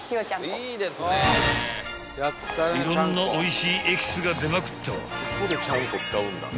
［いろんなおいしいエキスが出まくった］